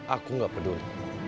aku gak peduli